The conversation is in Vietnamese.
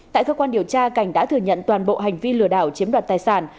tại cơ quan điều tra cảnh đã thừa nhận toàn bộ hành vi lừa đảo chiếm đoạt tài sản